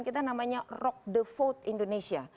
kita namanya rock the vote indonesia